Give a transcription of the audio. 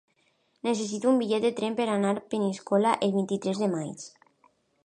Necessito un bitllet de tren per anar a Peníscola el vint-i-tres de maig.